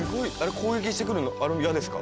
攻撃してくるのあれも矢ですか？